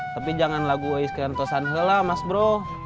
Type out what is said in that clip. tapi jangan lagu oe skranto sanhela mas bro